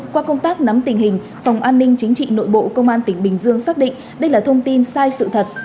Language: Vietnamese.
qua công tác nắm tình hình phòng an ninh chính trị nội bộ công an tỉnh bình dương xác định đây là thông tin sai sự thật